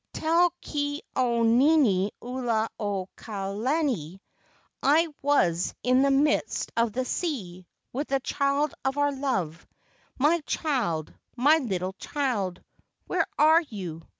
Tell Ke au nini ula o ka lani; I was in the midst of the sea With the child of our love; My child, my little child, Where are you?